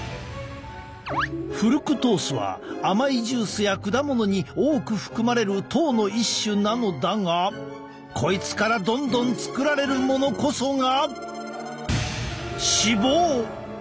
フルクトースは甘いジュースや果物に多く含まれる糖の一種なのだがこいつからどんどん作られるものこそが。